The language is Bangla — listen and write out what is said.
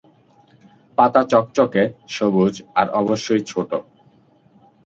পাতা চকচকে, সবুজ আর অবশ্যই ছোট।